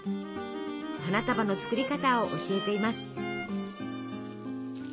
花束の作り方を教えています。